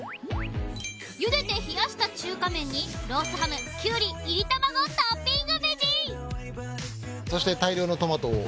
ゆでて冷やした中華麺にロースハムキュウリ炒り卵をトッピングベジそして大量のトマトを。